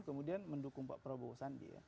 kemudian mendukung pak prabowo sandi